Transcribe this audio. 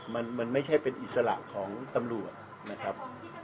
มันไม่ใช่เป็นอิสระของตำรวจนะครับ